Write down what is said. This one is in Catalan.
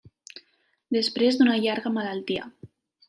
Després d'una llarga malaltia.